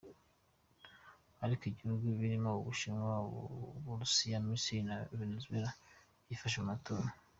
Ariko ibihugu birimo u Bushinwa, u Burusiya, Misiri na Venezuela byifashe mu matora.